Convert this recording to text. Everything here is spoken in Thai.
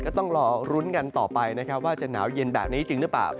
ก็ต้องรอลุ้นกันต่อไปนะครับว่าจะหนาวเย็นแบบนี้จริงหรือเปล่า